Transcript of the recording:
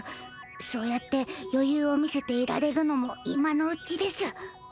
そうやってよゆうを見せていられるのも今のうちです。